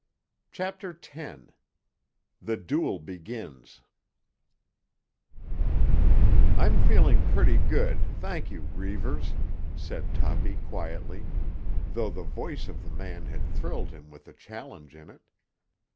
CHAPTER X—THE DUEL BEGINS "I'm feeling pretty good, thank you, Reivers," said Toppy quietly, though the voice of the man had thrilled him with the challenge in it.